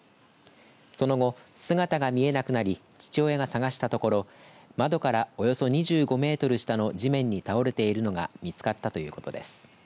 その後、姿が見えなくなり父親が探したところ窓からおよそ２５メートル下の地面に倒れているのが見つかったということです。